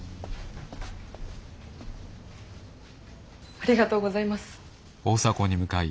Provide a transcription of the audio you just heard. ありがとうございます。